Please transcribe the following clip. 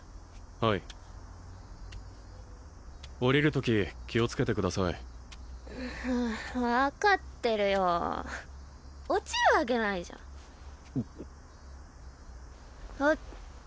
はい下りるとき気をつけてください分かってるよ落ちるわけないじゃんよっと